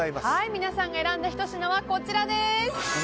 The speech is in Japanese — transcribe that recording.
皆さんが選んだひと品はこちらです。